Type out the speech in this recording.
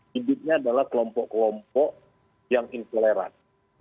hidupnya adalah kelompok kelompok yang intoleran